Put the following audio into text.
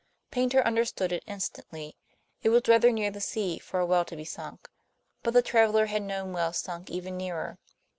Paynter understood it instantly. It was rather near the sea for a well to be sunk, but the traveler had known wells sunk even nearer.